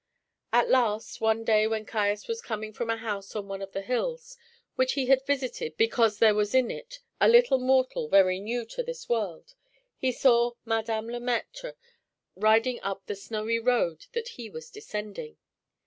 At last, one day when Caius was coming from a house on one of the hills which he had visited because there was in it a little mortal very new to this world, he saw Madame Le Maître riding up the snowy road that he was descending.